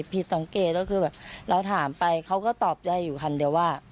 ผิดสังเกตก็คือแบบเราถามไปเขาก็ตอบได้อยู่คำเดียวว่า